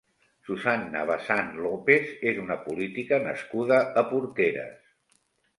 Susanna Bazán López és una política nascuda a Porqueres.